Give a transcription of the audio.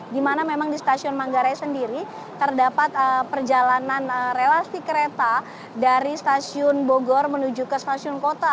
di mana memang di stasiun manggarai sendiri terdapat perjalanan relasi kereta dari stasiun bogor menuju ke stasiun kota